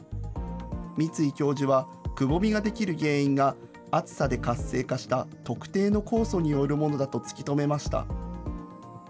三ツ井教授はくぼみができる原因が暑さで活性化した特定の酵素によるものだと突き止めました。